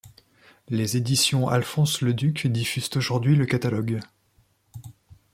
Les éditions Alphonse Leduc diffusent aujourd'hui le catalogue.